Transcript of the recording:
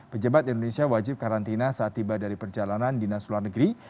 pejabat indonesia wajib karantina saat tiba dari perjalanan dinas luar negeri